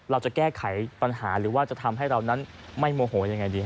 เราจะแก้ไขปัญหาหรือว่าจะทำให้เรานั้นไม่โมโหยังไงดีฮ